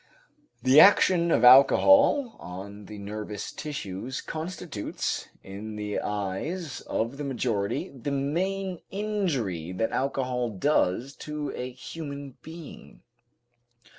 The action of alcohol on the nervous tissues constitutes, in the eyes of the majority, the main injury that alcohol does to a human being.